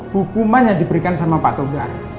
hukuman yang diberikan sama pak togar